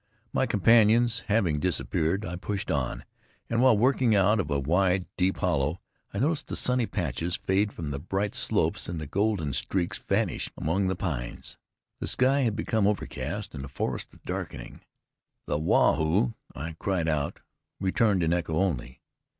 My companions having disappeared, I pushed on, and while working out of a wide, deep hollow, I noticed the sunny patches fade from the bright slopes, and the golden streaks vanish among the pines. The sky had become overcast, and the forest was darkening. The "Waa hoo," I cried out returned in echo only.